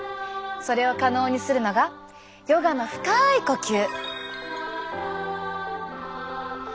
それを可能にするのがヨガの深い呼吸。